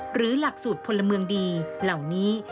หลักสูตรพลเมืองดีเหล่านี้